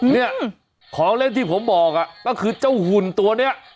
เนี่ยของเล่นที่ผมบอกก็คือเจ้าหุ่นตัวนี้